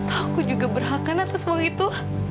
aku juga berhakan atas uang itu